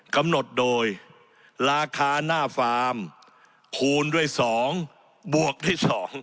กำหนดโดยราคาหน้าฟาร์มคูณด้วย๒บวกที่๒